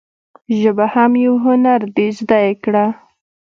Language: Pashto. ژبه هم یو هنر دي زده یی کړه.